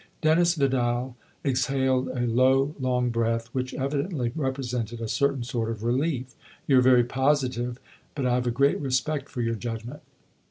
Dennis Vidal exhaled a low, long breath which evidently represented a certain sort of relief. " You're very positive ; but I've a great respect for your judgment."